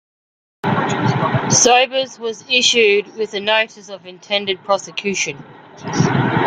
Sobers was issued with a notice of intended prosecution.